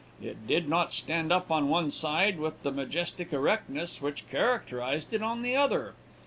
It did not stand up on one side with the majestic erectness which characterized it on the other.